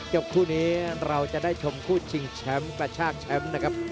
คู่นี้เราจะได้ชมคู่ชิงแชมป์กระชากแชมป์นะครับ